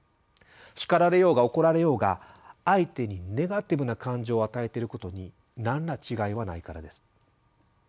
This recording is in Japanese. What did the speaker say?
叱られようが怒られようが相手にネガティブな感情を与えていることに何ら違いはないからです。